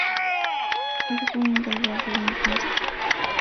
Hedwig de Berlín Este.